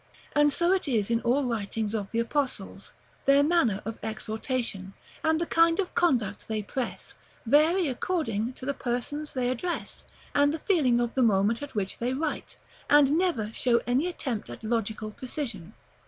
And so it is in all writings of the Apostles; their manner of exhortation, and the kind of conduct they press, vary according to the persons they address, and the feeling of the moment at which they write, and never show any attempt at logical precision.